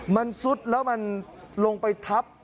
มันซุดแล้วมันลงไปทับ